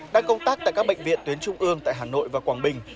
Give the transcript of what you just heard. đang công tác tại các bệnh viện tuyến trung ương tại hà nội và quảng bình